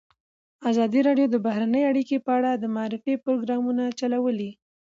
ازادي راډیو د بهرنۍ اړیکې په اړه د معارفې پروګرامونه چلولي.